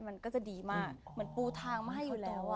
มันก็จะดีมากเหมือนปูทางมาให้อยู่แล้วอ่ะ